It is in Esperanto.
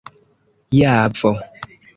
javo